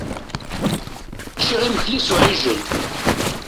Ččiɣ imekli s uɛijel.